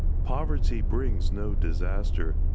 Poverty brings no disaster!